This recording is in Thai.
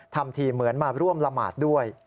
ทำทีเหมือนมาร่วมละหมาดด้วย